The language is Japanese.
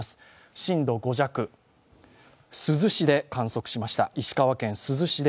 震度５弱、石川県珠洲市で観測しました。